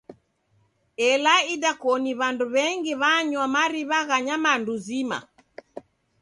Ela idakoni w'andu w'engi w'anywa mariw'a gha nyamandu zima.